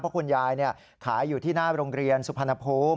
เพราะคุณยายขายอยู่ที่หน้าโรงเรียนสุพรรณภูมิ